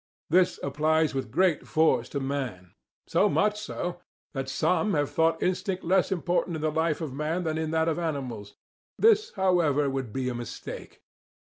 This applies with great force to man, so much so that some have thought instinct less important in the life of man than in that of animals. This, however, would be a mistake.